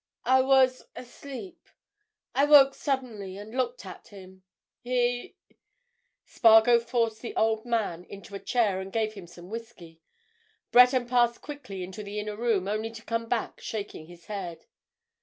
I was—asleep. I woke suddenly and looked at him. He——" Spargo forced the old man into a chair and gave him some whisky; Breton passed quickly into the inner room; only to come back shaking his head.